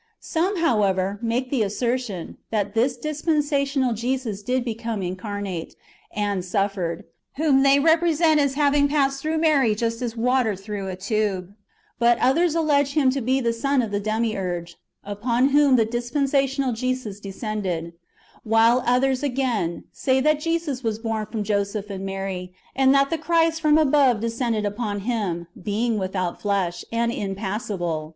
Some, however, make the assertion, that this dispensational Jesus did become incarnate, and suffered, whom they represent as having passed through Mary just as water through a tube ; but others allege him to be the Son of the Demiurge, upon w^hom the dispensational Jesus de scended ; while others, again, say that Jesus was born from Joseph and Mary, and that the Christ from above descended upon him, being without flesh, and impassible.